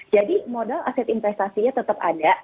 jadi modal aset investasinya tetap ada